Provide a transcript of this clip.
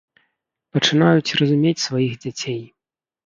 Пачынаюць разумець сваіх дзяцей.